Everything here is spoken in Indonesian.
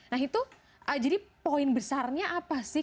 nah itu jadi poin besarnya apa sih